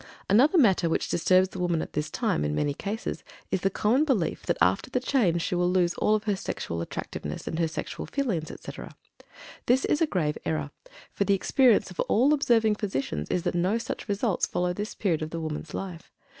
Another matter which disturbs the woman at this time, in many cases, is the common belief that after "the change" she will lose all of her sex attractiveness, and her sexual feelings, etc. This is a grave error, for the experience of all observing physicians is that no such results follow this period of the woman's life.